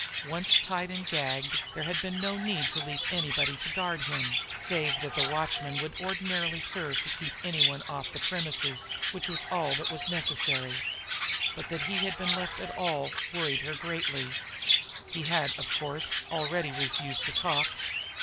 Once tied and gagged there had been no need to leave anybody to guard him, save that the watchman would ordinarily serve to keep any one off the premises, which was all that was necessary. But that he had been left at all worried her greatly. He had, of course, already refused to talk.